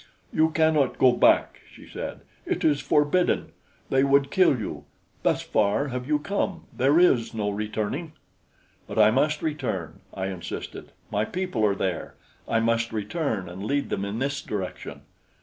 '" "You cannot go back," she said. "It is forbidden. They would kill you. Thus far have you come there is no returning." "But I must return," I insisted. "My people are there. I must return and lead them in this direction."